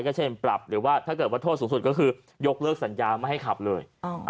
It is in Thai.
ก็เช่นปรับหรือว่าถ้าเกิดว่าโทษสูงสุดก็คือยกเลิกสัญญาไม่ให้ขับเลย